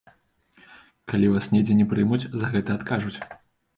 Калі вас недзе не прымуць, за гэта адкажуць.